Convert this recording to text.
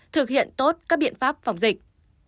thực hiện tốt các biện pháp phòng dịch